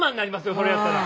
それやったら。